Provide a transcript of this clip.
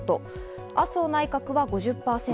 麻生内閣が５０％。